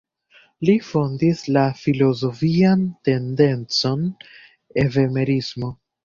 Li fondis la filozofian tendencon Evemerismo.